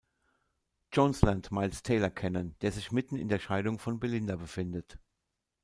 Jones lernt Miles Taylor kennen, der sich mitten in der Scheidung von Belinda befindet.